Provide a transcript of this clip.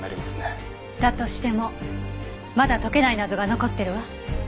だとしてもまだ解けない謎が残ってるわ。